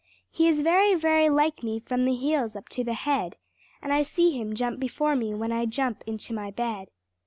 He is very, very like me from the heels up to the head; And I see him jump before me, when I jump into my bed.